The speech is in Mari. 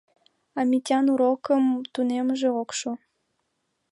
А Митян урокым тунеммыже ок шу.